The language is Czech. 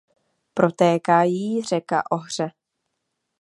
Protéká jí řeka Ohře.